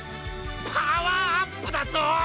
パワーアップだと？